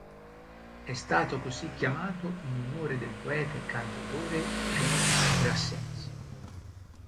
È stato così chiamato in onore del poeta e cantautore Georges Brassens.